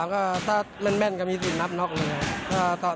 ๑๒๓ก็ถ้าแม่นก็มีสิทธิ์นับเนาะเลย